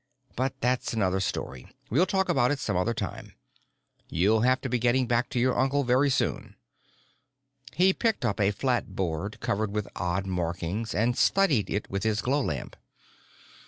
But that's another story; we'll talk about it some other time. You'll have to be getting back to your uncle very soon." He picked up a flat board covered with odd markings and studied it with his glow lamp.